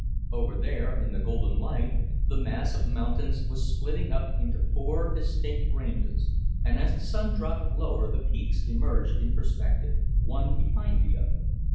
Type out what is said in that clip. Over there, in the golden light, the mass of mountains was splitting up into four distinct ranges, and as the sun dropped lower the peaks emerged in perspective, one behind the other.